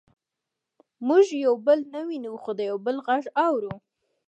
موږ یو بل نه وینو خو د یو بل غږونه اورو